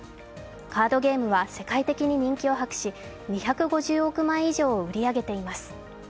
カードゲームは世界的に人気を博し、２５０億枚以上を売り上げています。